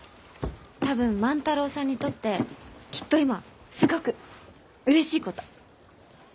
多分万太郎さんにとってきっと今すごくうれしいこと。